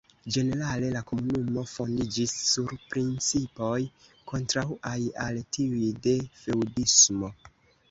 Ĝenerale la Komunumo fondiĝis sur principoj kontraŭaj al tiuj de feŭdismo.